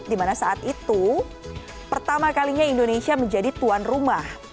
dimana saat itu pertama kalinya indonesia menjadi tuan rumah